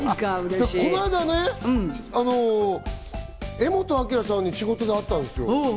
この間、柄本明さんに仕事で会ったんですよ。